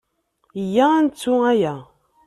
Iyya ad nettu aya.